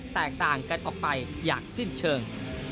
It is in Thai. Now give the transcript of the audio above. แตกต่างกันออกไปอย่างสิ้นเชิง